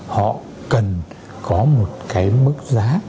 họ cần có một cái mức giá